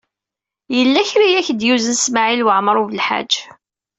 Yella kra i ak-d-yuzen Smawil Waɛmaṛ U Belḥaǧ.